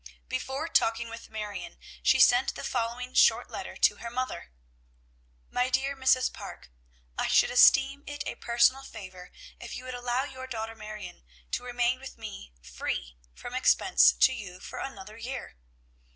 Before talking with Marion she sent the following short letter to her mother: MY DEAR MRS. PARKE, I should esteem it a personal favor if you would allow your daughter Marion to remain with me free from expense to you for another year.